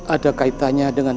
ada kaitannya dengan